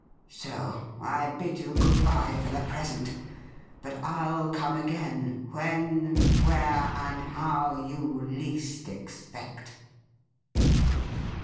So I bid you good bye for the present ; but I'll come again when, where, and how you least expect.'